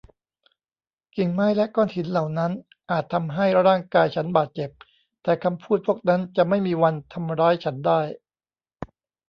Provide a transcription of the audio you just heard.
กิ่งไม้และก้อนหินเหล่านั้นอาจทำให้ร่างกายฉันบาดเจ็บ แต่คำพูดพวกนั้นจะไม่มีวันทำร้ายฉันได้